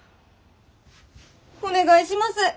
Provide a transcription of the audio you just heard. お願いします。